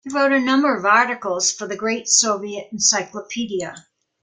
He wrote a number of articles for the Great Soviet Encyclopedia.